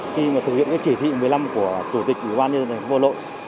khi mà thực hiện cái chỉ thị một mươi năm của chủ tịch ủy quan nhân dân vô lội